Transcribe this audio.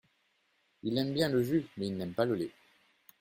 Il aime bien le jus mais il n’aime pas le lait.